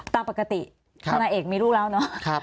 ตามปกติธนาเอกมีลูกแล้วเนาะ